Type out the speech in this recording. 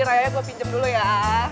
rayanya gue pinjem dulu ya